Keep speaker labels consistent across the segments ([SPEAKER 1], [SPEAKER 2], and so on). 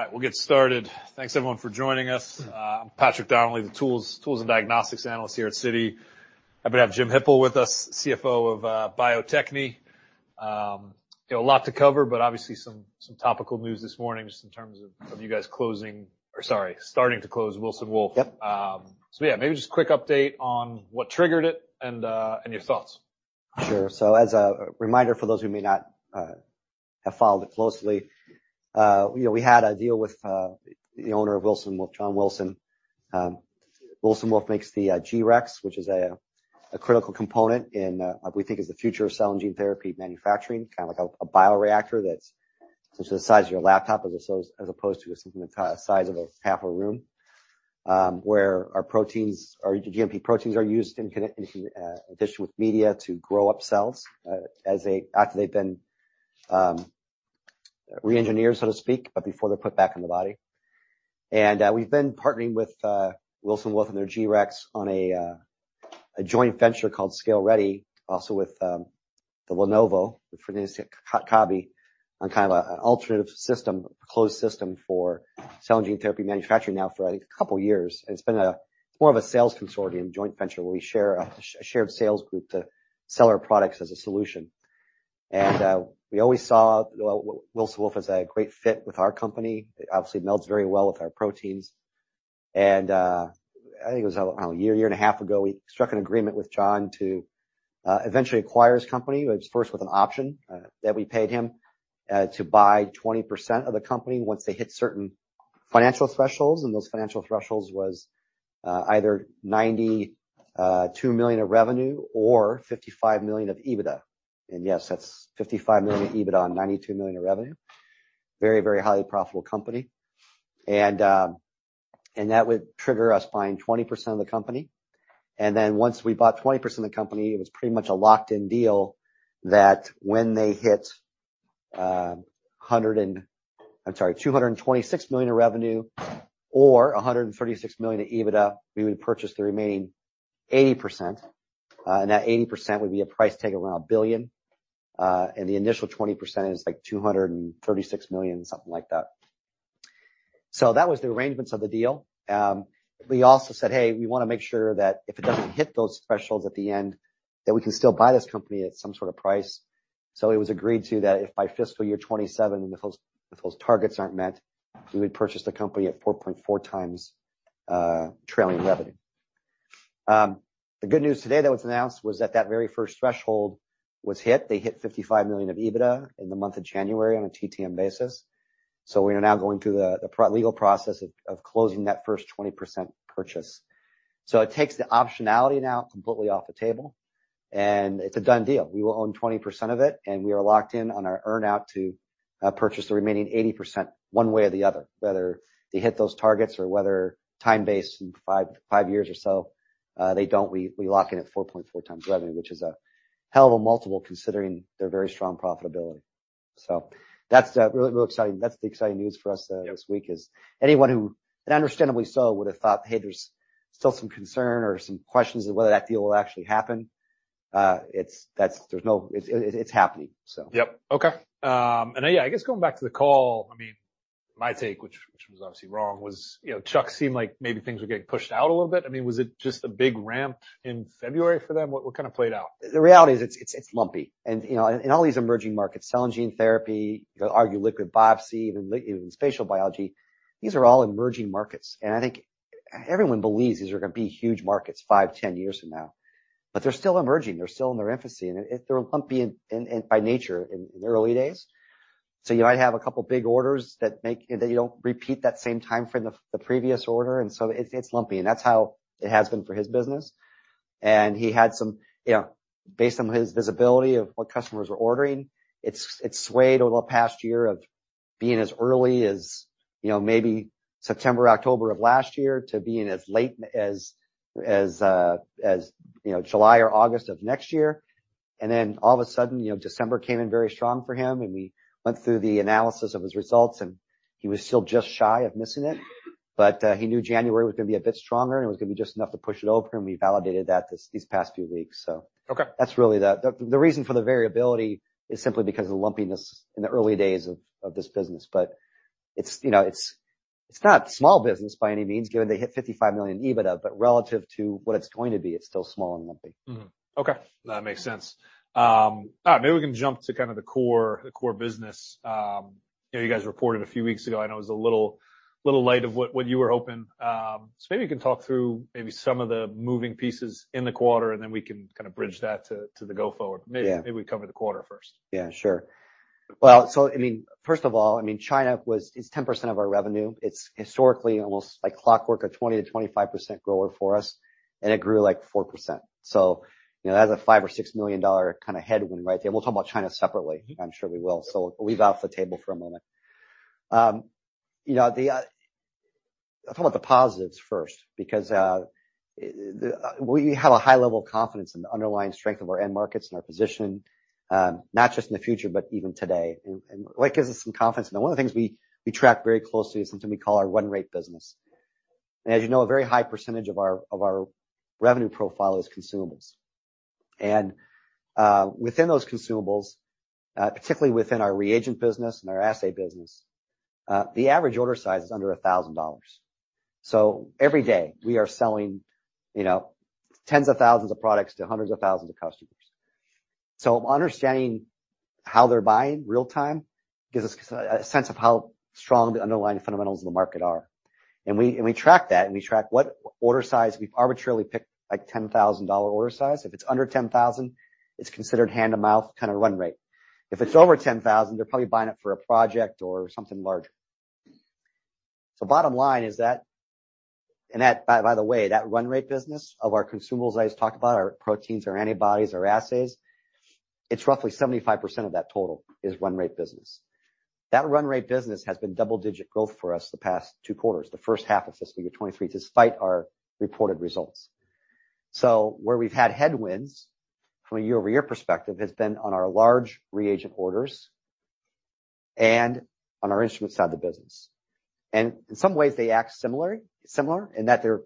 [SPEAKER 1] All right, we'll get started. Thanks everyone for joining us. I'm Patrick Donnelly, the Tools and Diagnostics Analyst here at Citi. Happy to have Jim Hippel with us, CFO of Bio-Techne. You know, a lot to cover, but obviously some topical news this morning just in terms of you guys closing or sorry, starting to close Wilson Wolf.
[SPEAKER 2] Yep.
[SPEAKER 1] Yeah, maybe just a quick update on what triggered it and your thoughts.
[SPEAKER 2] Sure. As a reminder for those who may not have followed it closely, you know, we had a deal with the owner of Wilson Wolf, John Wilson. Wilson Wolf makes the G-Rex, which is a critical component in we think is the future of cell and gene therapy manufacturing. Kind of like a bioreactor that's essentially the size of your laptop as opposed to something the size of a half a room. Where our proteins, our GMP proteins are used in addition with media to grow up cells after they've been re-engineered, so to speak, but before they're put back in the body. We've been partnering with Wilson Wolf and their G-Rex on a joint venture called ScaleReady, also with Fresenius Kabi, on kind of an alternative system, closed system for cell and gene therapy manufacturing now for I think a couple of years. It's been a more of a sales consortium joint venture where we share a shared sales group to sell our products as a solution. We always saw Wilson Wolf as a great fit with our company. It obviously melds very well with our proteins. I think it was a year and a half ago, we struck an agreement with John Wilson to eventually acquire his company, which first with an option that we paid him to buy 20% of the company once they hit certain financial thresholds, and those financial thresholds was either $92 million of revenue or $55 million of EBITDA. Yes, that's $55 million of EBITDA on $92 million of revenue. Very highly profitable company. That would trigger us buying 20% of the company. Once we bought 20% of the company, it was pretty much a locked-in deal that when they hit $226 million in revenue or $136 million in EBITDA, we would purchase the remaining 80%. That 80% would be a price tag of around $1 billion. The initial 20% is like $236 million, something like that. That was the arrangements of the deal. We also said, "Hey, we wanna make sure that if it doesn't hit those thresholds at the end, that we can still buy this company at some sort of price." It was agreed to that if by fiscal year 2027, if those targets aren't met, we would purchase the company at 4.4x trailing revenue. The good news today that was announced was that that very first threshold was hit. They hit $55 million of EBITDA in the month of January on a TTM basis. We are now going through the legal process of closing that first 20% purchase. It takes the optionality now completely off the table, and it's a done deal. We will own 20% of it, and we are locked in on our earn out to purchase the remaining 80% one way or the other, whether they hit those targets or whether time-based in 5 years or so, they don't, we lock in at 4.4x revenue, which is a hell of a multiple considering their very strong profitability. That's really, really exciting. That's the exciting news for us this week is anyone who, and understandably so would have thought, "Hey, there's still some concern or some questions of whether that deal will actually happen." It's, it's happening, so.
[SPEAKER 1] Yep. Okay. Yeah, I guess going back to the call, I mean, my take, which was obviously wrong, was, you know, Chuck seemed like maybe things were getting pushed out a little bit. I mean, was it just a big ramp in February for them? What kind of played out?
[SPEAKER 2] The reality is it's lumpy. You know, in all these emerging markets, cell and gene therapy, you could argue liquid biopsy, even spatial biology, these are all emerging markets. I think everyone believes these are gonna be huge markets 5, 10 years from now. They're still emerging, they're still in their infancy, and they're lumpy in by nature in the early days. You might have a couple of big orders that you don't repeat that same time frame of the previous order, and so it's lumpy, and that's how it has been for his business. He had some, you know, based on his visibility of what customers are ordering, it's swayed over the past year of being as early as, you know, maybe September, October of last year to being as late as, you know, July or August of next year. All of a sudden, you know, December came in very strong for him, and we went through the analysis of his results, and he was still just shy of missing it. He knew January was gonna be a bit stronger, and it was gonna be just enough to push it over, and we validated that these past few weeks, so.
[SPEAKER 1] Okay.
[SPEAKER 2] That's really the reason for the variability is simply because of the lumpiness in the early days of this business. It's, you know, it's not small business by any means, given they hit $55 million EBITDA, but relative to what it's going to be, it's still small and lumpy.
[SPEAKER 1] Okay. That makes sense. All right, maybe we can jump to kind of the core business. You know, you guys reported a few weeks ago. I know it was a little light of what you were hoping. Maybe you can talk through maybe some of the moving pieces in the quarter, and then we can kind of bridge that to the go forward.
[SPEAKER 2] Yeah.
[SPEAKER 1] Maybe we cover the quarter first.
[SPEAKER 2] Yeah, sure. Well, I mean, first of all, I mean, China is 10% of our revenue. It's historically almost like clockwork, a 20%-25% grower for us, and it grew like 4%. You know, that's a $5 million or $6 million kinda headwind right there. We'll talk about China separately. I'm sure we will. We'll leave that off the table for a moment. You know, I'll talk about the positives first because we have a high level of confidence in the underlying strength of our end markets and our position, not just in the future, but even today. What gives us some confidence, and one of the things we track very closely is something we call our run rate business. As you know, a very high percentage of our revenue profile is consumables. Within those consumables, particularly within our reagent business and our assay business, the average order size is under $1,000. Every day we are selling, you know, tens of thousands of products to hundreds of thousands of customers. Understanding how they're buying real time gives us a sense of how strong the underlying fundamentals of the market are. We track that, and we track what order size. We've arbitrarily picked, like $10,000 order size. If it's under $10,000, it's considered hand-to-mouth kind of run rate. If it's over $10,000, they're probably buying it for a project or something larger. Bottom line is that, and that by the way, that run rate business of our consumables I just talked about, our proteins, our antibodies, our assays, it's roughly 75% of that total is run rate business. That run rate business has been double-digit growth for us the past 2 quarters, the first half of fiscal year 2023, despite our reported results. Where we've had headwinds from a year-over-year perspective has been on our large reagent orders and on our instrument side of the business. In some ways, they act similarly, similar in that they're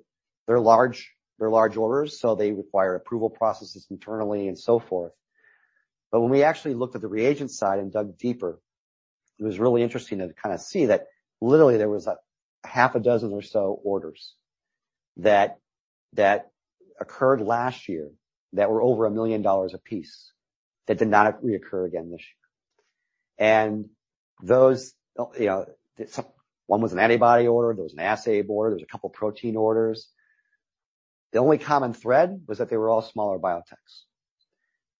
[SPEAKER 2] large orders, so they require approval processes internally and so forth. When we actually looked at the reagent side and dug deeper, it was really interesting to kind of see that literally there was a half a dozen or so orders that occurred last year that were over $1 million a piece that did not reoccur again this year. Those, you know, one was an antibody order, there was an assay order, there was a couple protein orders. The only common thread was that they were all smaller biotechs.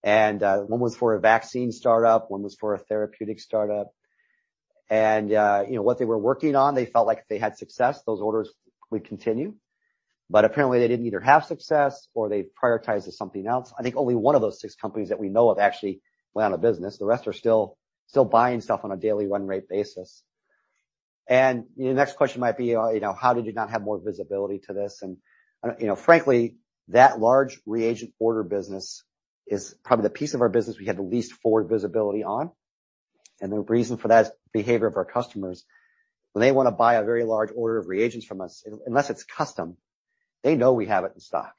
[SPEAKER 2] One was for a vaccine startup, one was for a therapeutic startup. You know, what they were working on, they felt like if they had success, those orders would continue. But apparently, they didn't either have success or they prioritized to something else. I think only one of those six companies that we know of actually went out of business. The rest are still buying stuff on a daily run rate basis. Your next question might be, well, you know, how did you not have more visibility to this? You know, frankly, that large reagent order business is probably the piece of our business we had the least forward visibility on. The reason for that is behavior of our customers. When they want to buy a very large order of reagents from us, unless it's custom, they know we have it in stock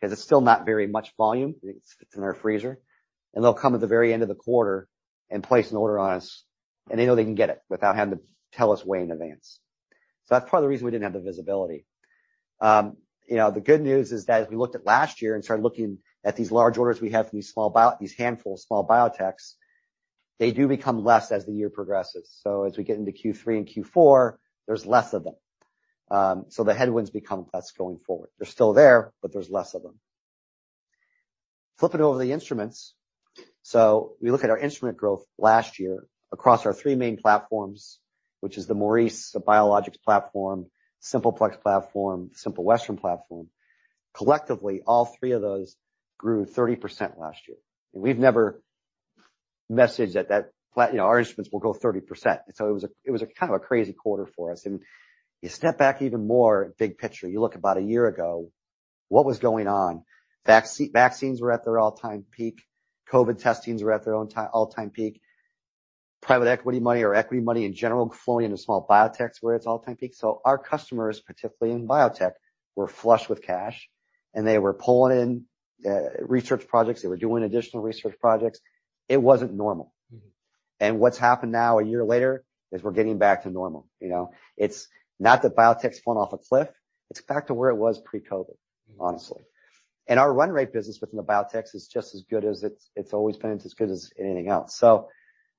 [SPEAKER 2] 'cause it's still not very much volume, it's in our freezer. They'll come at the very end of the quarter and place an order on us, and they know they can get it without having to tell us way in advance. That's part of the reason we didn't have the visibility. You know, the good news is that as we looked at last year and started looking at these large orders we have from these handful of small biotechs, they do become less as the year progresses. As we get into Q3 and Q4, there's less of them. The headwinds become less going forward. They're still there, but there's less of them. Flipping over to the instruments. We look at our instrument growth last year across our 3 main platforms, which is the Maurice, the Biologics platform, Simple Plex platform, Simple Western platform. Collectively, all 3 of those grew 30% last year. We've never messaged that, you know, our instruments will go 30%. It was a kind of a crazy quarter for us. You step back even more big picture. You look about a year ago, what was going on? vaccines were at their all-time peak. COVID testings were at their all-time peak. Private equity money or equity money in general flowing into small biotechs were at its all-time peak. Our customers, particularly in biotech, were flush with cash, and they were pulling in research projects. They were doing additional research projects. It wasn't normal.
[SPEAKER 1] Mm-hmm.
[SPEAKER 2] What's happened now, a year later, is we're getting back to normal. You know, it's not that biotech's fallen off a cliff. It's back to where it was pre-COVID, honestly. Our run rate business within the biotech is just as good as it's always been. It's as good as anything else.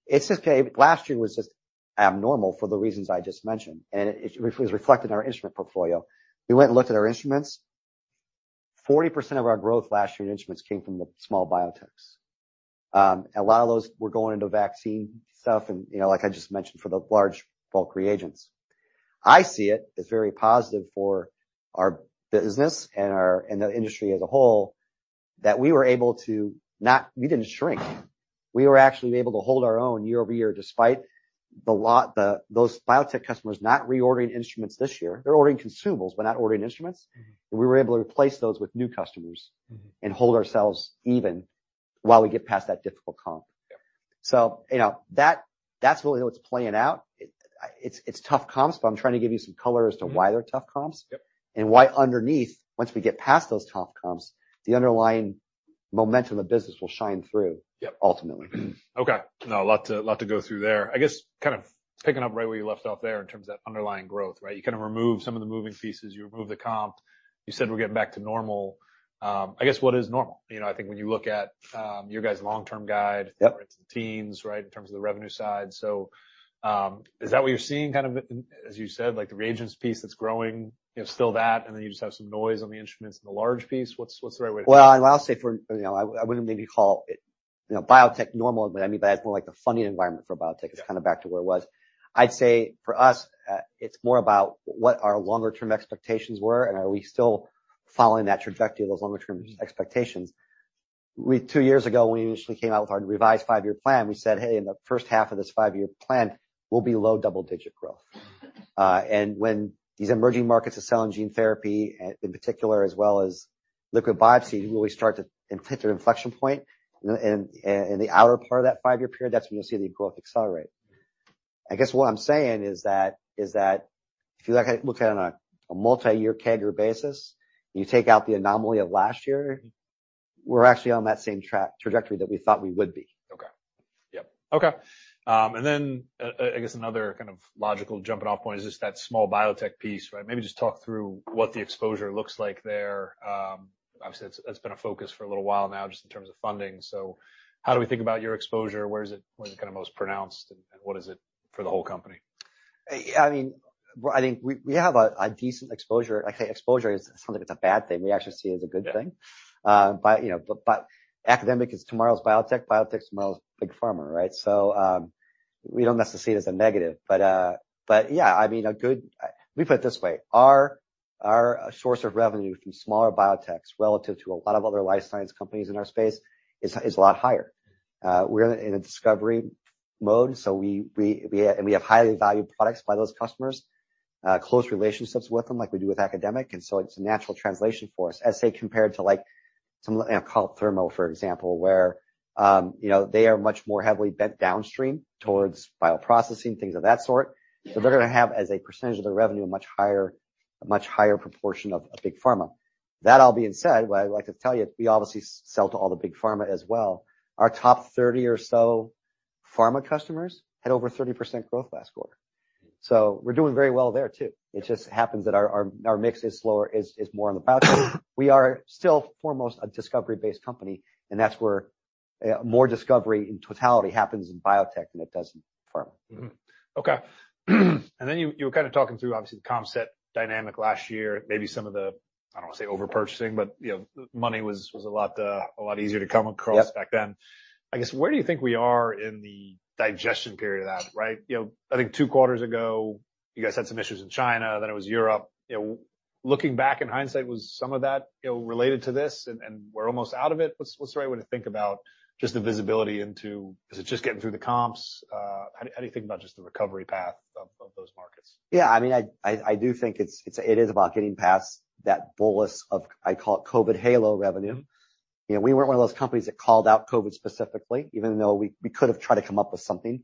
[SPEAKER 2] It's just, last year was just abnormal for the reasons I just mentioned, and it was reflected in our instrument portfolio. We went and looked at our instruments. 40% of our growth last year in instruments came from the small biotechs. A lot of those were going into vaccine stuff and, you know, like I just mentioned, for the large bulk reagents. I see it as very positive for our business and our, and the industry as a whole, that we were able to we didn't shrink. We were actually able to hold our own year-over-year, despite the, those biotech customers not reordering instruments this year. They're ordering consumables, but not ordering instruments.
[SPEAKER 1] Mm-hmm.
[SPEAKER 2] We were able to replace those with new customers.
[SPEAKER 1] Mm-hmm.
[SPEAKER 2] hold ourselves even while we get past that difficult comp.
[SPEAKER 1] Yep.
[SPEAKER 2] you know, that's really what's playing out. It's tough comps, but I'm trying to give you some color as to why they're tough comps.
[SPEAKER 1] Yep.
[SPEAKER 2] Why underneath, once we get past those tough comps, the underlying momentum of business will shine through.
[SPEAKER 1] Yep.
[SPEAKER 2] -ultimately.
[SPEAKER 1] Okay. No, a lot to, lot to go through there. I guess kind of picking up right where you left off there in terms of that underlying growth, right? You kind of removed some of the moving pieces. You removed the comp. You said we're getting back to normal. I guess what is normal? You know, I think when you look at, your guys' long-term guide-
[SPEAKER 2] Yep.
[SPEAKER 1] it's the teens, right? In terms of the revenue side. Is that what you're seeing kind of, as you said, like the reagents piece that's growing, you know, still that and then you just have some noise on the instruments and the large piece? What's the right way to?
[SPEAKER 2] Well, I'll say for, you know, I wouldn't maybe call it, you know, biotech normal, but I mean by that it's more like the funding environment for biotech.
[SPEAKER 1] Yeah.
[SPEAKER 2] It's kind of back to where it was. I'd say for us, it's more about what our longer-term expectations were and are we still following that trajectory of those longer-term expectations. Two years ago, when we initially came out with our revised five-year plan, we said, "Hey, in the first half of this five-year plan, we'll be low double-digit growth." When these emerging markets of cell and gene therapy and in particular as well as liquid biopsy will really start to hit their inflection point in the outer part of that five-year period, that's when you'll see the growth accelerate. I guess what I'm saying is that if you look at it on a multi-year CAGR basis, and you take out the anomaly of last year, we're actually on that same trajectory that we thought we would be.
[SPEAKER 1] Okay. Yep. Okay. I guess another kind of logical jumping off point is just that small biotech piece, right? Maybe just talk through what the exposure looks like there. Obviously, that's been a focus for a little while now just in terms of funding. How do we think about your exposure? Where is it kind of most pronounced, and what is it for the whole company?
[SPEAKER 2] I mean, well, I think we have a decent exposure. I say exposure, it sounds like it's a bad thing. We actually see it as a good thing.
[SPEAKER 1] Yeah.
[SPEAKER 2] You know, but academic is tomorrow's biotech. Biotech's tomorrow's big pharma, right? We don't necessarily see it as a negative. But yeah. I mean, let me put it this way. Our source of revenue from smaller biotechs relative to a lot of other life science companies in our space is a lot higher. We're in a discovery mode. And we have highly valued products by those customers, close relationships with them like we do with academic, and so it's a natural translation for us. Essay compared to like some, you know, call it Thermo, for example, where they are much more heavily bent downstream towards bioprocessing, things of that sort. They're gonna have, as a percentage of their revenue, a much higher proportion of big pharma. That all being said, what I'd like to tell you, we obviously sell to all the big pharma as well. Our top 30 or so pharma customers had over 30% growth last quarter. We're doing very well there too. It just happens that our mix is slower, is more on the biotech. We are still foremost a discovery-based company, and that's where more discovery in totality happens in biotech than it does in pharma.
[SPEAKER 1] Mm-hmm. Okay. Then you were kinda talking through obviously the comp set dynamic last year, maybe some of the, I don't wanna say overpurchasing, but, you know, money was a lot, a lot easier to come across back then.
[SPEAKER 2] Yeah.
[SPEAKER 1] I guess, where do you think we are in the digestion period of that, right? You know, I think two quarters ago, you guys had some issues in China. It was Europe. You know, looking back in hindsight, was some of that, you know, related to this and we're almost out of it? What's the right way to think about just the visibility into. Is it just getting through the comps? How do you think about just the recovery path of those markets?
[SPEAKER 2] I mean, I do think it is about getting past that bolus of, I call it COVID halo revenue. You know, we weren't one of those companies that called out COVID specifically, even though we could have tried to come up with something.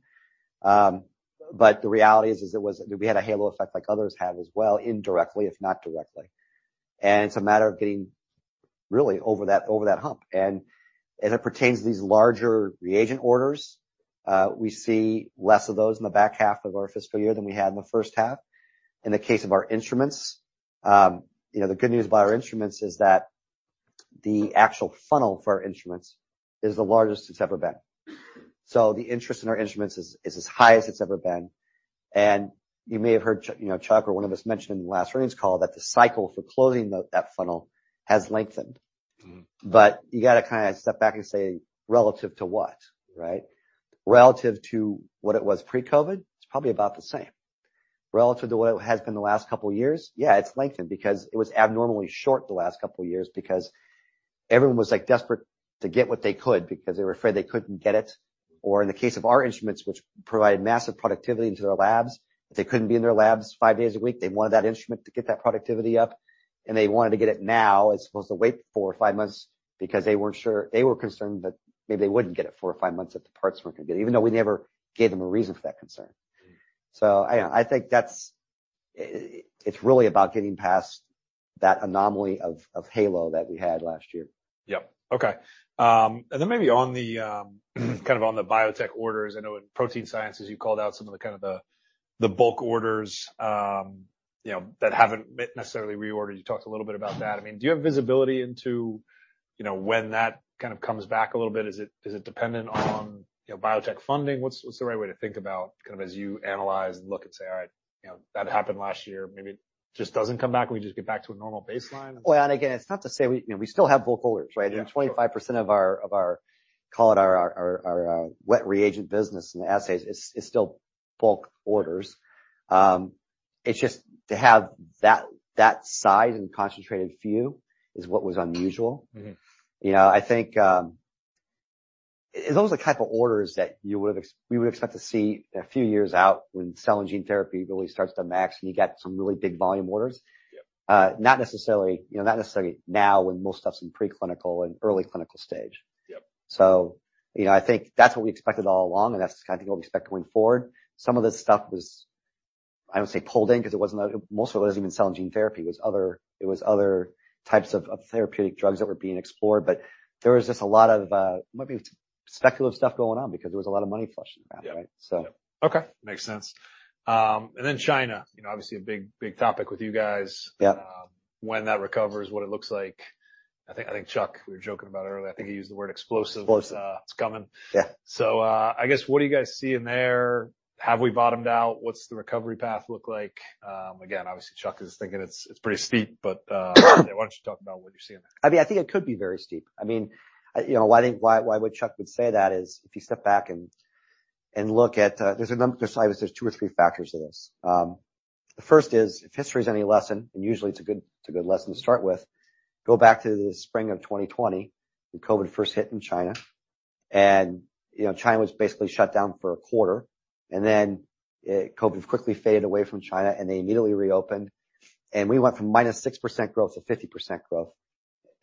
[SPEAKER 2] The reality is, we had a halo effect like others have as well, indirectly, if not directly. It's a matter of getting really over that hump. As it pertains to these larger reagent orders, we see less of those in the back half of our fiscal year than we had in the first half. In the case of our instruments, you know, the good news about our instruments is that the actual funnel for our instruments is the largest it's ever been. The interest in our instruments is as high as it's ever been. You may have heard you know, Chuck or one of us mention in the last earnings call that the cycle for closing that funnel has lengthened.
[SPEAKER 1] Mm-hmm.
[SPEAKER 2] You gotta kinda step back and say, "Relative to what?" Right. Relative to what it was pre-COVID, it's probably about the same. Relative to what it has been the last couple years, yeah, it's lengthened because it was abnormally short the last couple years because everyone was, like, desperate to get what they could because they were afraid they couldn't get it. In the case of our instruments, which provided massive productivity into their labs, if they couldn't be in their labs five days a week, they wanted that instrument to get that productivity up, and they wanted to get it now as opposed to wait four or five months because they weren't sure. They were concerned that maybe they wouldn't get it four or five months if the parts weren't gonna get. Even though we never gave them a reason for that concern.
[SPEAKER 1] Mm-hmm.
[SPEAKER 2] I think that's. It's really about getting past that anomaly of halo that we had last year.
[SPEAKER 1] Yep. Okay. Then maybe on the, kind of on the biotech orders, I know in Protein Sciences you called out some of the kind of the bulk orders, you know, that haven't been necessarily reordered. You talked a little bit about that. I mean, do you have visibility into, you know, when that kind of comes back a little bit? Is it, is it dependent on, you know, biotech funding? What's, what's the right way to think about kind of as you analyze and look and say, "All right. You know, that happened last year. Maybe it just doesn't come back, and we just get back to a normal baseline.
[SPEAKER 2] Well, again, it's not to say you know, we still have bulk orders, right?
[SPEAKER 1] Yeah.
[SPEAKER 2] 25% of our, call it our wet reagent business and the assays is still bulk orders. It's just to have that size and concentrated few is what was unusual.
[SPEAKER 1] Mm-hmm.
[SPEAKER 2] You know, I think, those are the type of orders that we would expect to see a few years out when cell and gene therapy really starts to max and you get some really big volume orders.
[SPEAKER 1] Yep.
[SPEAKER 2] Not necessarily, you know, not necessarily now when most stuff's in preclinical and early clinical stage.
[SPEAKER 1] Yep.
[SPEAKER 2] You know, I think that's what we expected all along, and that's kind of what we expect going forward. Some of this stuff was, I wouldn't say pulled in, 'cause most of it wasn't even cell and gene therapy. It was other types of therapeutic drugs that were being explored. There was just a lot of maybe speculative stuff going on because there was a lot of money flushing around.
[SPEAKER 1] Yeah.
[SPEAKER 2] Right?
[SPEAKER 1] Okay. Makes sense. China, you know, obviously a big, big topic with you guys.
[SPEAKER 2] Yep.
[SPEAKER 1] When that recovers, what it looks like. I think, Chuck, we were joking about it earlier. I think he used the word explosive.
[SPEAKER 2] Explosive.
[SPEAKER 1] It's, it's coming.
[SPEAKER 2] Yeah.
[SPEAKER 1] I guess, what do you guys see in there? Have we bottomed out? What's the recovery path look like? Again, obviously Chuck is thinking it's pretty steep, but why don't you talk about what you're seeing there?
[SPEAKER 2] I mean, I think it could be very steep. I mean, you know, why would Chuck say that is if you step back and look at. There's obviously two or three factors to this. The first is, if history is any lesson, and usually it's a good lesson to start with, go back to the spring of 2020 when COVID first hit in China. You know, China was basically shut down for a quarter, and then COVID quickly faded away from China, and they immediately reopened. We went from -6% growth to 50% growth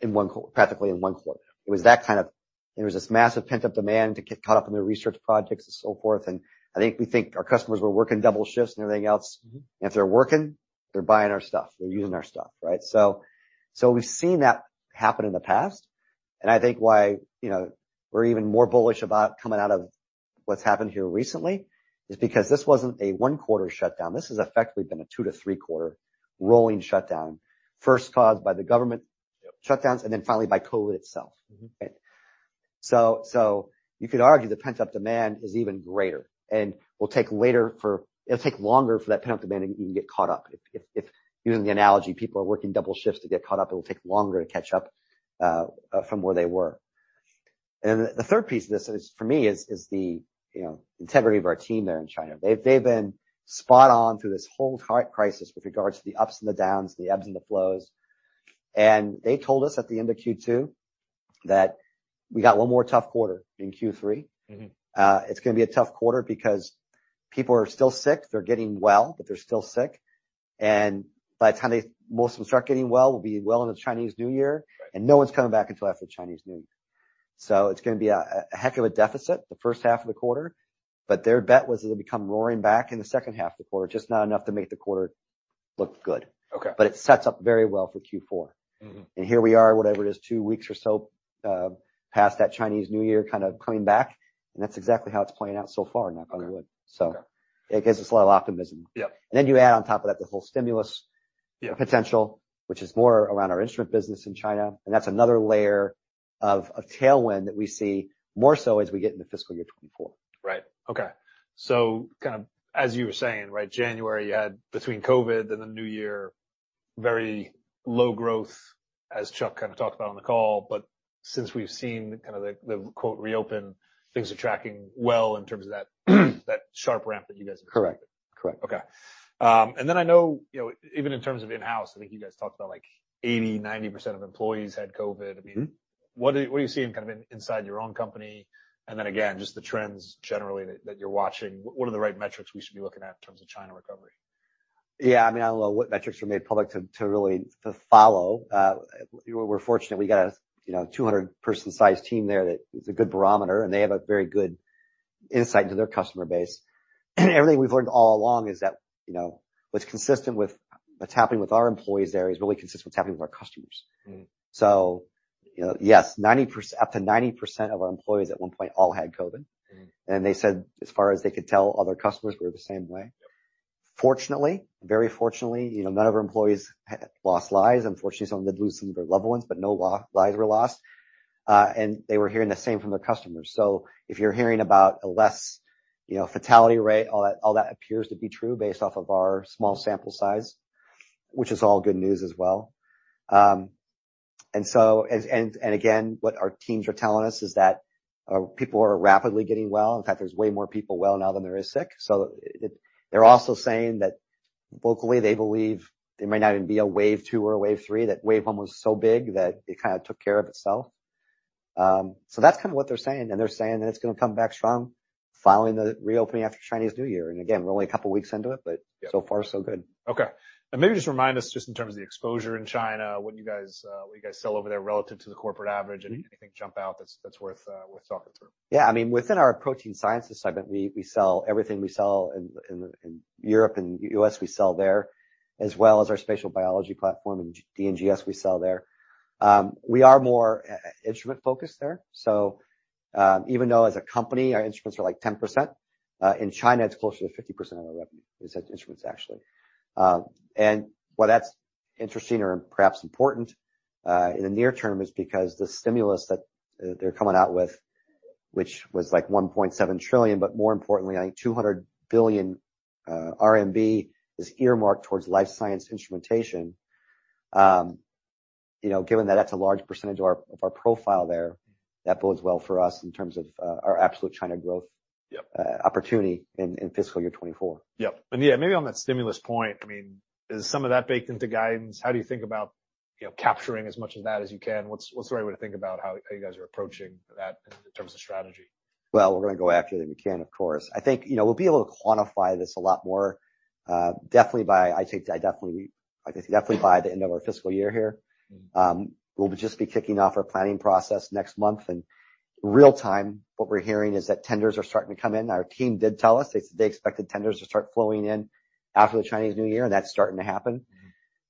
[SPEAKER 2] in one quarter, practically in one quarter. There was this massive pent-up demand to get caught up in their research projects and so forth. I think we think our customers were working double shifts and everything else.
[SPEAKER 1] Mm-hmm.
[SPEAKER 2] If they're working, they're buying our stuff, they're using our stuff, right? We've seen that happen in the past, and I think why, you know, we're even more bullish about coming out of what's happened here recently is because this wasn't a one-quarter shutdown. This has effectively been a two to three-quarter rolling shutdown, first caused by the government-
[SPEAKER 1] Yep.
[SPEAKER 2] -shutdowns, and then finally by COVID itself.
[SPEAKER 1] Mm-hmm.
[SPEAKER 2] You could argue the pent-up demand is even greater and will take longer for that pent-up demand to even get caught up. If, using the analogy, people are working double shifts to get caught up, it will take longer to catch up from where they were. The third piece of this is, for me is, the, you know, integrity of our team there in China. They've been spot on through this whole entire crisis with regards to the ups and the downs, the ebbs and the flows. They told us at the end of Q2 that we got one more tough quarter in Q3.
[SPEAKER 1] Mm-hmm.
[SPEAKER 2] It's gonna be a tough quarter because people are still sick. They're getting well, but they're still sick. By the time most of them start getting well, we'll be well into Chinese New Year.
[SPEAKER 1] Right.
[SPEAKER 2] No one's coming back until after Chinese New Year. It's gonna be a heck of a deficit the first half of the quarter. Their bet was it'll become roaring back in the second half of the quarter, just not enough to make the quarter look good.
[SPEAKER 1] Okay.
[SPEAKER 2] It sets up very well for Q4.
[SPEAKER 1] Mm-hmm.
[SPEAKER 2] Here we are, whatever it is, two weeks or so, past that Chinese New Year kind of coming back, and that's exactly how it's playing out so far, knock on wood.
[SPEAKER 1] Okay.
[SPEAKER 2] It gives us a lot of optimism.
[SPEAKER 1] Yep.
[SPEAKER 2] Then you add on top of that the whole stimulus.
[SPEAKER 1] Yeah.
[SPEAKER 2] -potential, which is more around our instrument business in China, and that's another layer of tailwind that we see more so as we get into fiscal year 24.
[SPEAKER 1] Right. Okay. Kind of as you were saying, right, January you had between COVID and the New Year, very low growth, as Chuck kind of talked about on the call, but since we've seen kind of the quote, "reopen," things are tracking well in terms of that sharp ramp that you guys-
[SPEAKER 2] Correct. Correct.
[SPEAKER 1] Okay. I know, you know, even in terms of in-house, I think you guys talked about like 80%-90% of employees had COVID.
[SPEAKER 2] Mm-hmm.
[SPEAKER 1] What are you seeing kind of inside your own company? Then again, just the trends generally that you're watching. What are the right metrics we should be looking at in terms of China recovery?
[SPEAKER 2] Yeah, I mean, I don't know what metrics were made public to really, to follow. We're fortunate we got a, you know, 200 person sized team there that is a good barometer, and they have a very good insight into their customer base. Everything we've learned all along is that, you know, what's consistent with what's happening with our employees there is really consistent with what's happening with our customers.
[SPEAKER 1] Mm-hmm.
[SPEAKER 2] You know, yes, up to 90% of our employees at one point all had COVID.
[SPEAKER 1] Mm-hmm.
[SPEAKER 2] They said as far as they could tell, all their customers were the same way.
[SPEAKER 1] Yep.
[SPEAKER 2] Fortunately, very fortunately, you know, none of our employees lost lives. Unfortunately, some of them did lose some of their loved ones, but no lives were lost. They were hearing the same from their customers. If you're hearing about a less, you know, fatality rate, all that, all that appears to be true based off of our small sample size, which is all good news as well. Again, what our teams are telling us is that people are rapidly getting well. In fact, there's way more people well now than there is sick. They're also saying that locally they believe there might not even be a wave 2 or a wave 3, that wave 1 was so big that it kinda took care of itself. That's kind of what they're saying, and they're saying that it's gonna come back strong following the reopening after Chinese New Year. Again, we're only a couple weeks into it, but.
[SPEAKER 1] Yeah.
[SPEAKER 2] So far so good.
[SPEAKER 1] Okay. Maybe just remind us just in terms of the exposure in China, what you guys, what you guys sell over there relative to the corporate average?
[SPEAKER 2] Mm-hmm.
[SPEAKER 1] Anything jump out that's worth talking through?
[SPEAKER 2] Yeah. I mean, within our Protein Sciences segment, we sell everything we sell in Europe and U.S., we sell there, as well as our spatial biology platform and [DNGs] we sell there. We are more instrument focused there. Even though as a company our instruments are like 10%, in China it's closer to 50% of our revenue is instruments, actually. Why that's interesting or perhaps important in the near term is because the stimulus that they're coming out with, which was like $1.7 trillion, more importantly, I think 200 billion RMB is earmarked towards life science instrumentation. You know, given that that's a large percentage of our profile there, that bodes well for us in terms of our absolute China growth.
[SPEAKER 1] Yep.
[SPEAKER 2] opportunity in fiscal year 2024.
[SPEAKER 1] Yep. Yeah, maybe on that stimulus point, I mean, is some of that baked into guidance? How do you think about, you know, capturing as much of that as you can? What's the right way to think about how you guys are approaching that in terms of strategy?
[SPEAKER 2] Well, we're gonna go after it if we can, of course. I think, you know, we'll be able to quantify this a lot more, definitely by the end of our fiscal year here.
[SPEAKER 1] Mm-hmm.
[SPEAKER 2] We'll just be kicking off our planning process next month. In real time, what we're hearing is that tenders are starting to come in. Our team did tell us, they said they expected tenders to start flowing in after the Chinese New Year. That's starting to happen.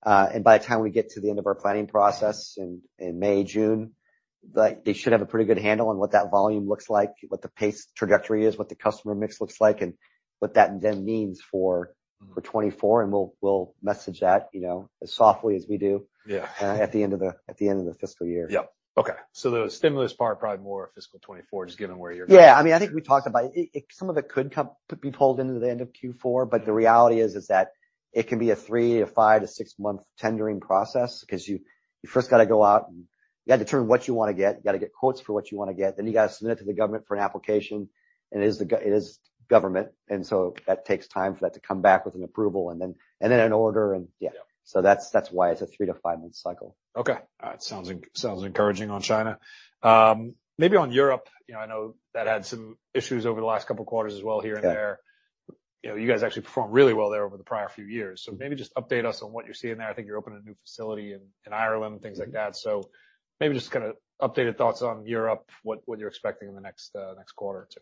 [SPEAKER 1] Mm-hmm.
[SPEAKER 2] By the time we get to the end of our planning process in May, June, like, they should have a pretty good handle on what that volume looks like, what the pace trajectory is, what the customer mix looks like, and what that then means for 2024, and we'll message that, you know, as softly as we do.
[SPEAKER 1] Yeah.
[SPEAKER 2] at the end of the fiscal year.
[SPEAKER 1] Yep. Okay. the stimulus part, probably more fiscal 2024, just given where.
[SPEAKER 2] Yeah. I mean, I think we talked about it. Some of it could be pulled into the end of Q4, the reality is that it can be a 3 to 5 to 6-month tendering process 'cause you first gotta go out. You got to determine what you want to get. You got to get quotes for what you want to get. You got to submit it to the government for an application, it is government, that takes time for that to come back with an approval and then an order. Yeah.
[SPEAKER 1] Yeah.
[SPEAKER 2] That's why it's a 3-5 month cycle.
[SPEAKER 1] Okay. All right. Sounds encouraging on China. Maybe on Europe, you know, I know that had some issues over the last couple of quarters as well here and there.
[SPEAKER 2] Yeah.
[SPEAKER 1] You know, you guys actually performed really well there over the prior few years. Maybe just update us on what you're seeing there. I think you're opening a new facility in Ireland, things like that. Maybe just kind of updated thoughts on Europe, what you're expecting in the next quarter or 2.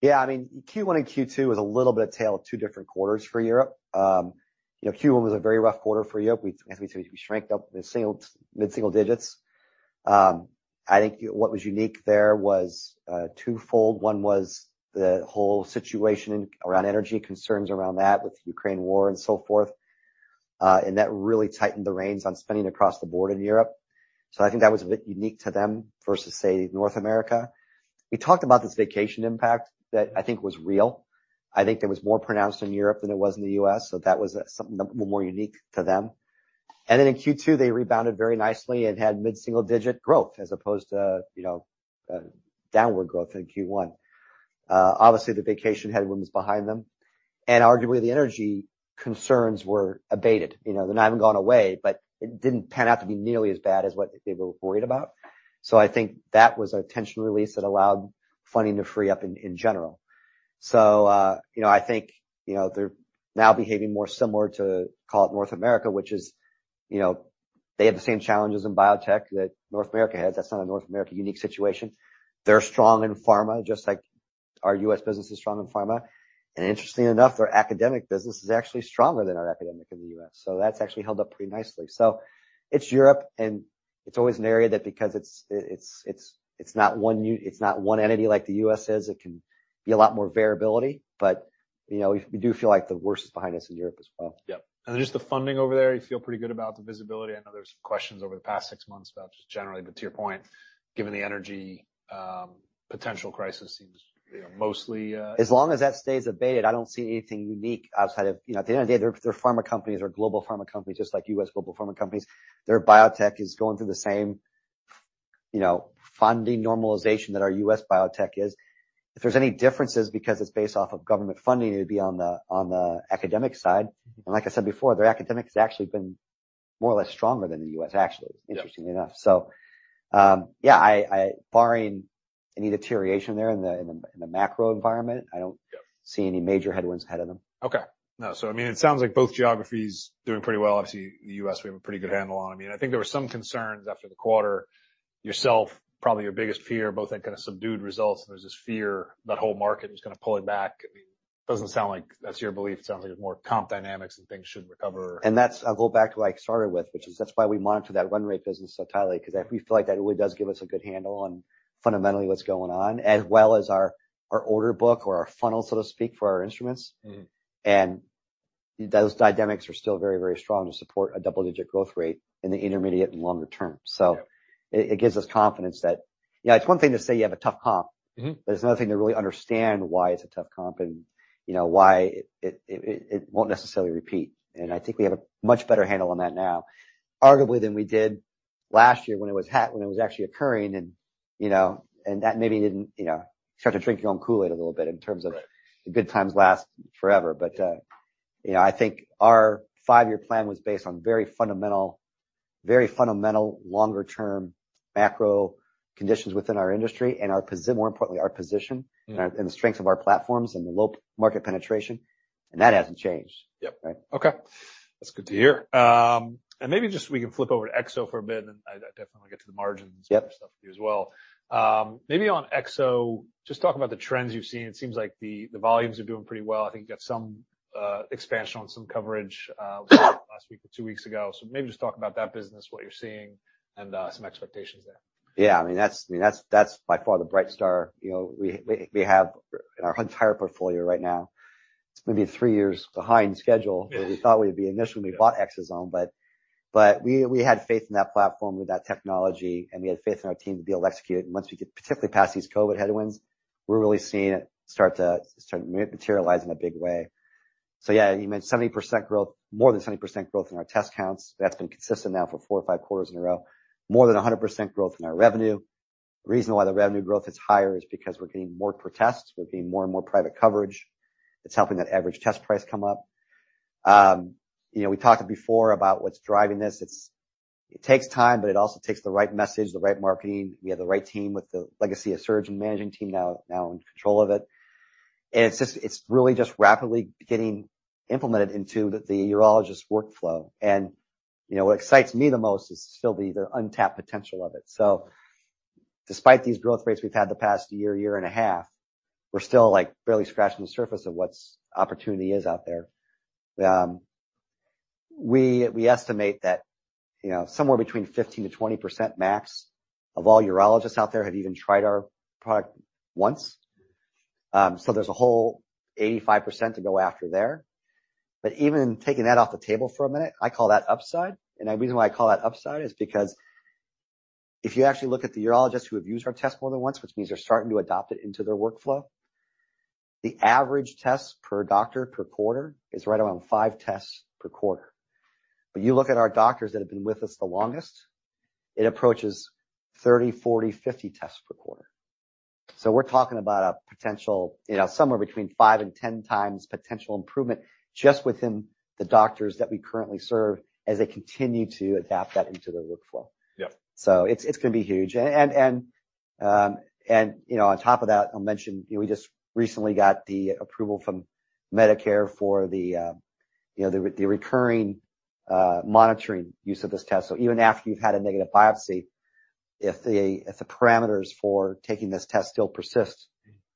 [SPEAKER 2] Yeah. I mean, Q1 and Q2 was a little bit tale of two different quarters for Europe. You know, Q1 was a very rough quarter for Europe. We, as we said, we shrank up the mid-single digits. I think what was unique there was 2x. One was the whole situation around energy concerns around that with the Ukraine war and so forth. That really tightened the reins on spending across the board in Europe. I think that was a bit unique to them versus, say, North America. We talked about this vacation impact that I think was real. I think that was more pronounced in Europe than it was in the US, so that was something a little more unique to them. In Q2, they rebounded very nicely and had mid-single digit growth as opposed to, you know, downward growth in Q1. Obviously, the vacation headwind was behind them, and arguably, the energy concerns were abated. You know, they haven't gone away, but it didn't pan out to be nearly as bad as what they were worried about. I think that was a tension release that allowed funding to free up in general. You know, I think, you know, they're now behaving more similar to, call it North America, which is, you know, they have the same challenges in biotech that North America has. That's not a North America unique situation. They're strong in pharma, just like our U.S. business is strong in pharma. Interestingly enough, their academic business is actually stronger than our academic in the U.S. That's actually held up pretty nicely. It's Europe, and it's always an area that because it's not one entity like the U.S. is, it can be a lot more variability. You know, we do feel like the worst is behind us in Europe as well.
[SPEAKER 1] Yeah. Just the funding over there, you feel pretty good about the visibility. I know there's some questions over the past six months about just generally, but to your point, given the energy, potential crisis seems, you know, mostly.
[SPEAKER 2] As long as that stays abated, I don't see anything unique outside of, you know, at the end of the day, they're pharma companies or global pharma companies, just like U.S. global pharma companies. Their biotech is going through the same, you know, funding normalization that our U.S. biotech is. If there's any differences because it's based off of government funding, it would be on the academic side. Like I said before, their academic has actually been more or less stronger than the U.S., actually.
[SPEAKER 1] Yeah.
[SPEAKER 2] Interestingly enough. Yeah, I barring any deterioration there in the macro environment.
[SPEAKER 1] Yeah.
[SPEAKER 2] see any major headwinds ahead of them.
[SPEAKER 1] Okay. No. I mean, it sounds like both geographies doing pretty well. Obviously, the U.S., we have a pretty good handle on. I mean, I think there were some concerns after the quarter. Yourself, probably your biggest fear, both that kind of subdued results, and there's this fear that whole market is kind of pulling back. I mean, it doesn't sound like that's your belief. It sounds like it's more comp dynamics and things should recover.
[SPEAKER 2] I'll go back to what I started with, which is that's why we monitor that run rate business so tightly, 'cause if we feel like that really does give us a good handle on fundamentally what's going on, as well as our order book or our funnel, so to speak, for our instruments.
[SPEAKER 1] Mm-hmm.
[SPEAKER 2] Those dynamics are still very, very strong to support a double-digit growth rate in the intermediate and longer term.
[SPEAKER 1] Yeah.
[SPEAKER 2] It gives us confidence that. You know, it's one thing to say you have a tough comp.
[SPEAKER 1] Mm-hmm.
[SPEAKER 2] It's another thing to really understand why it's a tough comp and, you know, why it won't necessarily repeat. I think we have a much better handle on that now, arguably, than we did last year when it was actually occurring and, you know, and that maybe didn't, you know, start to drink your own Kool-Aid a little bit in terms of the good times last forever. You know, I think our 5-year plan was based on very fundamental longer-term macro conditions within our industry and our more importantly, our position.
[SPEAKER 1] Mm-hmm.
[SPEAKER 2] The strength of our platforms and the low market penetration, and that hasn't changed.
[SPEAKER 1] Yep.
[SPEAKER 2] Right?
[SPEAKER 1] Okay. That's good to hear. Maybe just we can flip over to Exo for a bit, and I definitely wanna get to the margins.
[SPEAKER 2] Yep.
[SPEAKER 1] and stuff with you as well. Maybe on ExoDx, just talk about the trends you've seen. It seems like the volumes are doing pretty well. I think you have some expansion on some coverage last week or two weeks ago. Maybe just talk about that business, what you're seeing and some expectations there.
[SPEAKER 2] Yeah. I mean, that's by far the bright star, you know, we have in our entire portfolio right now. It's maybe 3 years behind schedule than we thought we'd be initially when we bought Exosome. We had faith in that platform, with that technology, and we had faith in our team to be able to execute. Once we could particularly pass these COVID headwinds, we're really seeing it start to materialize in a big way. Yeah, you mentioned 70% growth, more than 70% growth in our test counts. That's been consistent now for 4 or 5 quarters in a row. More than 100% growth in our revenue. The reason why the revenue growth is higher is because we're getting more tests. We're getting more and more private coverage. It's helping that average test price come up. you know, we talked before about what's driving this. It takes time, but it also takes the right message, the right marketing. We have the right team with the legacy of senior management team now in control of it. It's just, it's really just rapidly getting implemented into the urologist workflow. you know, what excites me the most is still the untapped potential of it. Despite these growth rates we've had the past year and a half, we're still, like, barely scratching the surface of what's opportunity is out there. We estimate that, you know, somewhere between 15%-20% max of all urologists out there have even tried our product once. There's a whole 85% to go after there. Even taking that off the table for a minute, I call that upside. The reason why I call that upside is because if you actually look at the urologists who have used our test more than once, which means they're starting to adopt it into their workflow. The average test per doctor per quarter is right around five tests per quarter. You look at our doctors that have been with us the longest, it approaches 30, 40, 50 tests per quarter. We're talking about a potential, you know, somewhere between 5x and 10x potential improvement just within the doctors that we currently serve as they continue to adapt that into their workflow.
[SPEAKER 1] Yeah.
[SPEAKER 2] It's gonna be huge. You know, on top of that, I'll mention we just recently got the approval from Medicare for the, you know, the re-recurring monitoring use of this test. Even after you've had a negative biopsy, if the parameters for taking this test still persist,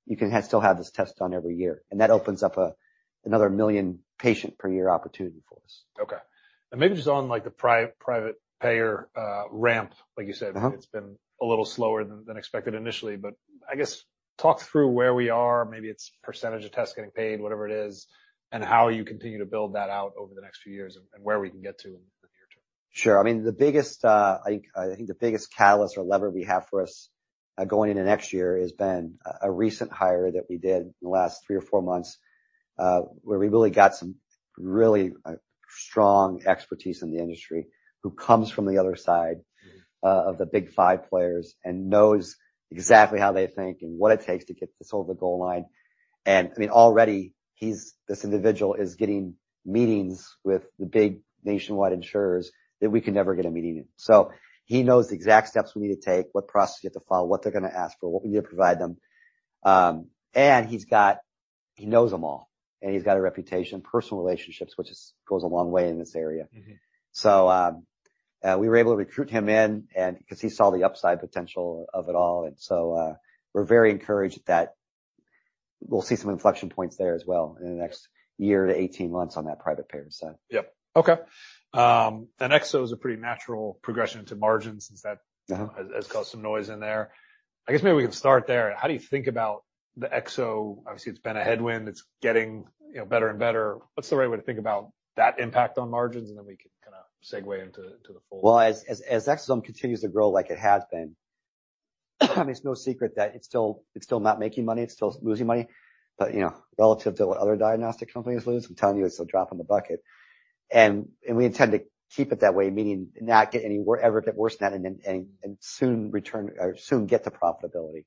[SPEAKER 2] you can still have this test done every year, and that opens up another 1 million patient per year opportunity for us.
[SPEAKER 1] Okay. maybe just on like the private payer, ramp, like you said-
[SPEAKER 2] Uh-huh.
[SPEAKER 1] It's been a little slower than expected initially, but I guess talk through where we are. Maybe it's percentage of tests getting paid, whatever it is, and how you continue to build that out over the next few years and where we can get to in the near term.
[SPEAKER 2] Sure. I mean, the biggest, I think the biggest catalyst or lever we have for us going into next year has been a recent hire that we did in the last three or four months, where we really got some really strong expertise in the industry who comes from the other side of the big five players and knows exactly how they think and what it takes to get this over the goal line. I mean, already this individual is getting meetings with the big nationwide insurers that we could never get a meeting in. He knows the exact steps we need to take, what process you have to follow, what they're gonna ask for, what we need to provide them. He knows them all, and he's got a reputation, personal relationships, which goes a long way in this area.
[SPEAKER 1] Mm-hmm.
[SPEAKER 2] We were able to recruit him in and because he saw the upside potential of it all. We're very encouraged that we'll see some inflection points there as well in the next year to 18 months on that private payer side.
[SPEAKER 1] Yep. Okay. Exo is a pretty natural progression to margins since.
[SPEAKER 2] Uh-huh.
[SPEAKER 1] Has caused some noise in there. I guess maybe we can start there. How do you think about the Exo? Obviously, it's been a headwind. It's getting, you know, better and better. What's the right way to think about that impact on margins? Then we can kind of segue into, to the full-.
[SPEAKER 2] Well, as ExoDx continues to grow like it has been, it's no secret that it's still not making money, it's still losing money. You know, relative to what other diagnostic companies lose, I'm telling you, it's a drop in the bucket. We intend to keep it that way, meaning not get ever get worse than that and soon return or soon get to profitability.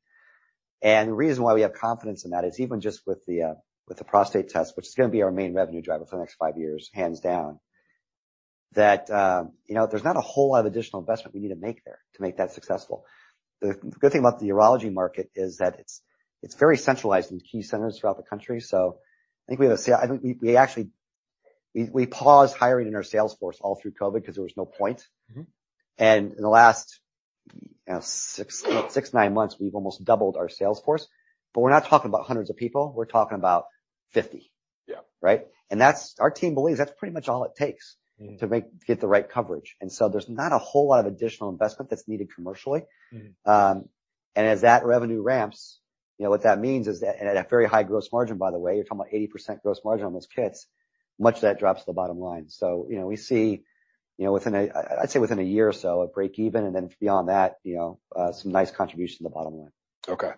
[SPEAKER 2] The reason why we have confidence in that is even just with the with the prostate test, which is gonna be our main revenue driver for the next five years, hands down, that, you know, there's not a whole lot of additional investment we need to make there to make that successful. The good thing about the urology market is that it's very centralized in key centers throughout the country. I think we actually paused hiring in our sales force all through COVID 'cause there was no point.
[SPEAKER 1] Mm-hmm.
[SPEAKER 2] In the last, you know, six, nine months, we've almost doubled our sales force. We're not talking about hundreds of people. We're talking about 50.
[SPEAKER 1] Yeah.
[SPEAKER 2] Right? Our team believes that's pretty much all it takes.
[SPEAKER 1] Mm-hmm.
[SPEAKER 2] To get the right coverage. There's not a whole lot of additional investment that's needed commercially.
[SPEAKER 1] Mm-hmm.
[SPEAKER 2] As that revenue ramps, you know what that means is that at a very high gross margin, by the way, you're talking about 80% gross margin on those kits, much of that drops to the bottom line. you know, we see, you know, within a, I'd say within a year or so, a break even, and then beyond that, you know, some nice contribution to the bottom line.
[SPEAKER 1] Okay.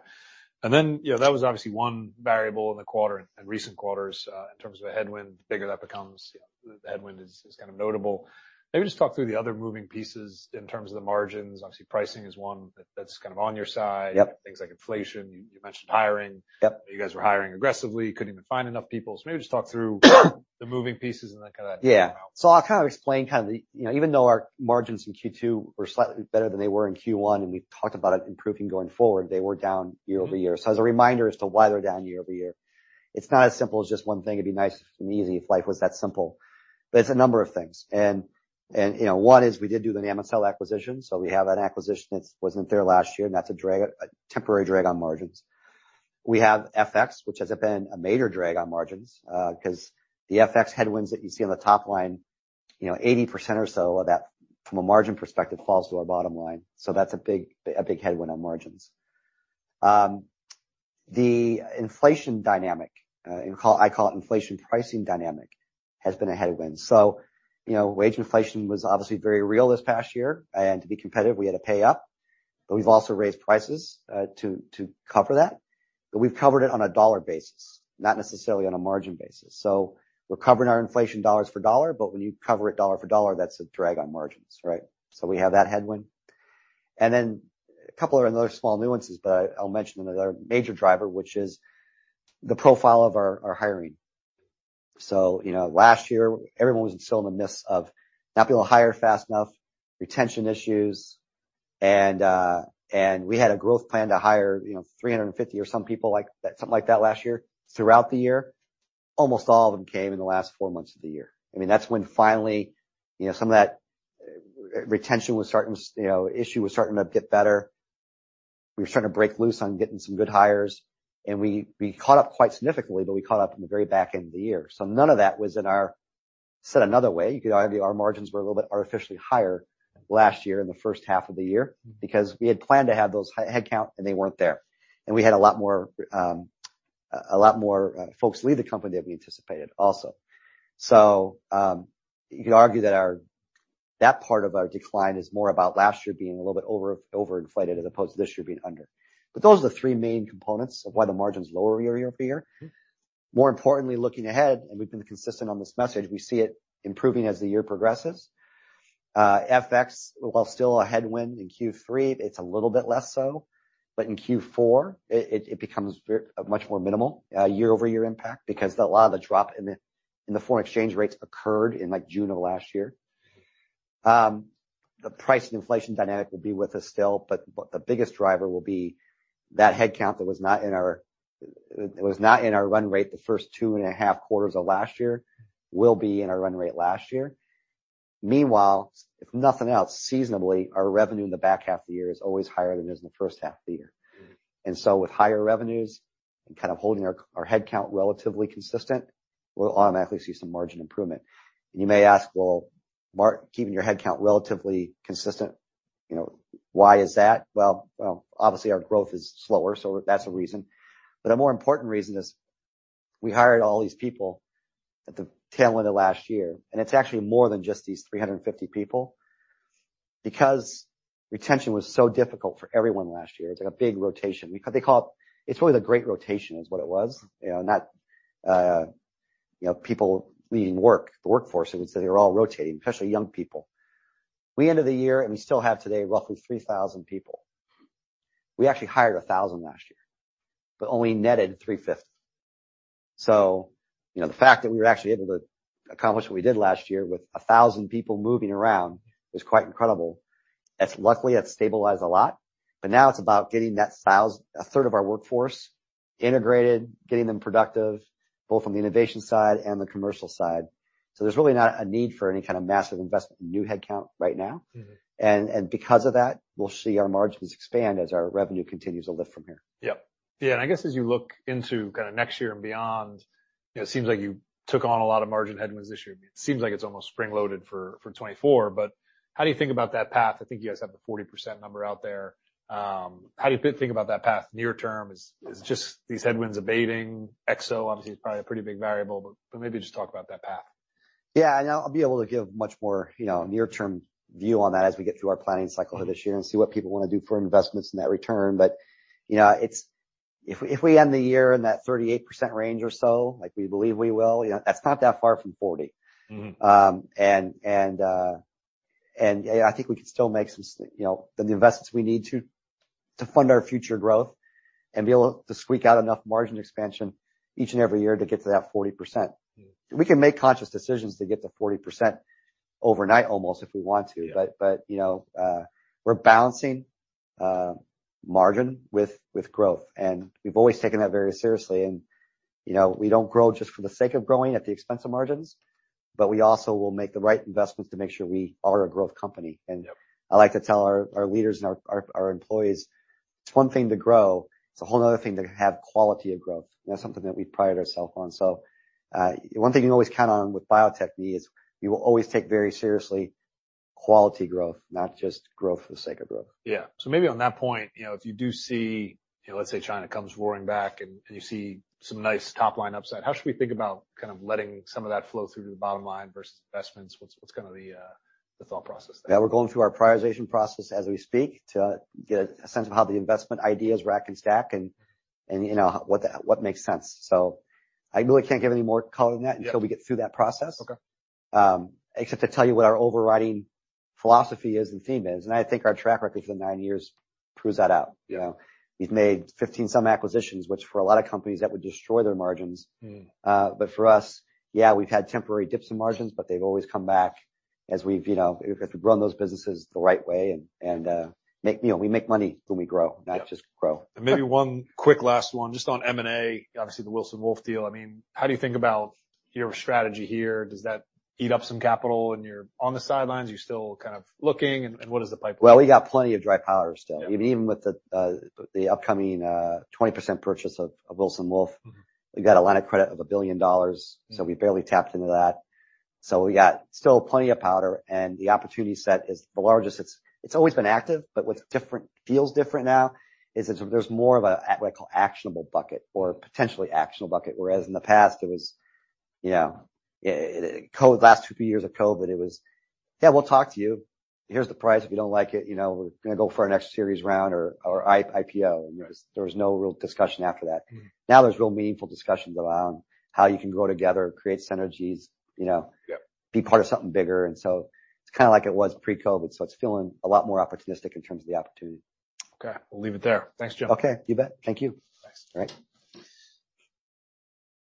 [SPEAKER 1] Then, you know, that was obviously one variable in the quarter, in recent quarters, in terms of a headwind. The bigger that becomes, the headwind is kind of notable. Maybe just talk through the other moving pieces in terms of the margins. Obviously, pricing is one that's kind of on your side.
[SPEAKER 2] Yep.
[SPEAKER 1] Things like inflation. You mentioned hiring.
[SPEAKER 2] Yep.
[SPEAKER 1] You guys were hiring aggressively, couldn't even find enough people. Maybe just talk through the moving pieces and that kind of...
[SPEAKER 2] Yeah. I'll kind of explain, you know, even though our margins in Q2 were slightly better than they were in Q1, and we've talked about it improving going forward, they were down year-over-year. As a reminder as to why they're down year-over-year, it's not as simple as just one thing. It'd be nice and easy if life was that simple. It's a number of things. You know, one is we did do the Lunaphore acquisition, so we have that acquisition that wasn't there last year, and that's a temporary drag on margins. We have FX, which has been a major drag on margins, 'cause the FX headwinds that you see on the top line, you know, 80% or so of that from a margin perspective falls to our bottom line. That's a big headwind on margins. The inflation dynamic, I call it inflation pricing dynamic, has been a headwind. You know, wage inflation was obviously very real this past year. To be competitive, we had to pay up, but we've also raised prices to cover that. We've covered it on a dollar basis, not necessarily on a margin basis. We're covering our inflation dollars for dollar, but when you cover it dollar for dollar, that's a drag on margins, right? We have that headwind. A couple of other small nuances, but I'll mention another major driver, which is the profile of our hiring. You know, last year everyone was still in the midst of not being able to hire fast enough, retention issues, and we had a growth plan to hire, you know, 350 or some people like that last year. Throughout the year, almost all of them came in the last four months of the year. I mean, that's when finally, you know, some of that retention was starting, you know, issue was starting to get better. We were starting to break loose on getting some good hires, and we caught up quite significantly, but we caught up in the very back end of the year. None of that was in our... Said another way, you could argue our margins were a little bit artificially higher last year in the first half of the year because we had planned to have those headcount and they weren't there. We had a lot more folks leave the company than we anticipated also. You could argue that That part of our decline is more about last year being a little bit overinflated as opposed to this year being under. Those are the three main components of why the margin's lower year-over-year. More importantly, looking ahead, we've been consistent on this message, we see it improving as the year progresses. FX, while still a headwind in Q3, it's a little bit less so. In Q4 it becomes much more minimal year-over-year impact because a lot of the drop in the foreign exchange rates occurred in like June of last year. The price and inflation dynamic will be with us still, but the biggest driver will be that headcount that was not in our run rate the first two and a half quarters of last year will be in our run rate last year. Meanwhile, if nothing else, seasonably, our revenue in the back half of the year is always higher than it is in the first half of the year. With higher revenues and kind of holding our headcount relatively consistent, we'll automatically see some margin improvement. You may ask, "Well, keeping your headcount relatively consistent, you know, why is that?" Well, obviously our growth is slower. That's a reason. A more important reason is we hired all these people at the tail end of last year, and it's actually more than just these 350 people. Because retention was so difficult for everyone last year. It's like a big rotation. They call it... It's really the great rotation is what it was. You know, not, you know, people leaving work, the workforce. It was that they were all rotating, especially young people. We ended the year, and we still have today roughly 3,000 people. We actually hired 1,000 last year, but only netted 350. You know, the fact that we were actually able to accomplish what we did last year with 1,000 people moving around was quite incredible. Luckily, that's stabilized a lot, but now it's about getting that 1,000, a third of our workforce integrated, getting them productive, both on the innovation side and the commercial side. There's really not a need for any kind of massive investment in new headcount right now.
[SPEAKER 1] Mm-hmm.
[SPEAKER 2] Because of that, we'll see our margins expand as our revenue continues to lift from here.
[SPEAKER 1] Yep. Yeah, I guess as you look into kinda next year and beyond, you know, it seems like you took on a lot of margin headwinds this year. I mean, it seems like it's almost spring-loaded for 2024. How do you think about that path? I think you guys have the 40% number out there. How do you think about that path near term? Is it just these headwinds abating? Exo obviously is probably a pretty big variable, but maybe just talk about that path.
[SPEAKER 2] Yeah, I know I'll be able to give much more, you know, near term view on that as we get through our planning cycle for this year and see what people wanna do for investments in that return. You know, if we end the year in that 38% range or so, like we believe we will, you know, that's not that far from 40%.
[SPEAKER 1] Mm-hmm.
[SPEAKER 2] I think we can still make some, you know, the investments we need to fund our future growth and be able to squeak out enough margin expansion each and every year to get to that 40%.
[SPEAKER 1] Yeah.
[SPEAKER 2] We can make conscious decisions to get to 40% overnight almost if we want to.
[SPEAKER 1] Yeah.
[SPEAKER 2] You know, we're balancing margin with growth, and we've always taken that very seriously. You know, we don't grow just for the sake of growing at the expense of margins, but we also will make the right investments to make sure we are a growth company.
[SPEAKER 1] Yep.
[SPEAKER 2] I like to tell our leaders and our employees, it's one thing to grow, it's a whole other thing to have quality of growth. That's something that we pride ourselves on. One thing you can always count on with Bio-Techne is we will always take very seriously quality growth, not just growth for the sake of growth.
[SPEAKER 1] Maybe on that point, you know, if you do see, you know, let's say China comes roaring back and you see some nice top-line upside, how should we think about kind of letting some of that flow through to the bottom line versus investments? What's kinda the thought process there?
[SPEAKER 2] Yeah, we're going through our prioritization process as we speak to get a sense of how the investment ideas rack and stack and you know, what makes sense. I really can't give any more color than that.
[SPEAKER 1] Sure.
[SPEAKER 2] until we get through that process.
[SPEAKER 1] Okay.
[SPEAKER 2] Except to tell you what our overriding philosophy is and theme is. I think our track record for the nine years proves that out.
[SPEAKER 1] Yeah.
[SPEAKER 2] You know, we've made 15 some acquisitions, which for a lot of companies that would destroy their margins.
[SPEAKER 1] Mm-hmm.
[SPEAKER 2] For us, yeah, we've had temporary dips in margins, but they've always come back as we've, you know, grown those businesses the right way and You know, we make money when we grow.
[SPEAKER 1] Yeah.
[SPEAKER 2] not just grow.
[SPEAKER 1] Maybe one quick last one just on M&A, obviously the Wilson Wolf deal. I mean, how do you think about your strategy here? Does that eat up some capital when you're on the sidelines? Are you still kind of looking, and what is the pipeline look like?
[SPEAKER 2] Well, we got plenty of dry powder still.
[SPEAKER 1] Yeah.
[SPEAKER 2] Even with the upcoming 20% purchase of Wilson Wolf.
[SPEAKER 1] Mm-hmm.
[SPEAKER 2] We've got a line of credit of $1 billion.
[SPEAKER 1] Mm.
[SPEAKER 2] We barely tapped into that. We got still plenty of powder and the opportunity set is the largest. It's always been active, but what's different feels different now is that there's more of a what I call actionable bucket or potentially actionable bucket. Whereas in the past it was, you know, last two, three years of COVID, it was, "Yeah, we'll talk to you. Here's the price. If you don't like it, you know, we're gonna go for our next series round or IPO.
[SPEAKER 1] Yeah.
[SPEAKER 2] There was no real discussion after that.
[SPEAKER 1] Mm-hmm.
[SPEAKER 2] Now there's real meaningful discussions around how you can grow together, create synergies, you know...
[SPEAKER 1] Yeah.
[SPEAKER 2] -be part of something bigger, and so it's kinda like it was pre-COVID, so it's feeling a lot more opportunistic in terms of the opportunity.
[SPEAKER 1] Okay. We'll leave it there. Thanks, Jim.
[SPEAKER 2] Okay, you bet. Thank you.
[SPEAKER 1] Thanks.
[SPEAKER 2] All right.